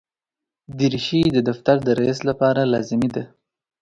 دریشي د دفتر د رئیس لپاره لازمي ده.